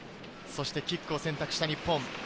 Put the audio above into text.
キックを選択した日本。